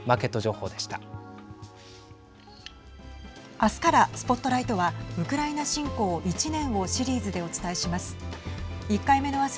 明日からＳＰＯＴＬＩＧＨＴはウクライナ侵攻１年をシリーズでお伝えします。